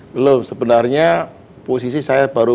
kemudian saya berpikir saya sudah berhenti